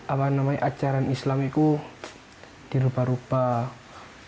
apa namanya ajaran islam itu dirubah rubah